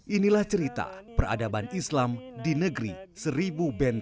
inilah cerita peradaban islam di negeri seribu benteng